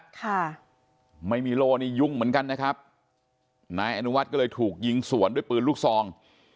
ค่ะไม่มีโล่นี่ยุ่งเหมือนกันนะครับนายอนุวัฒน์ก็เลยถูกยิงสวนด้วยปืนลูกซอง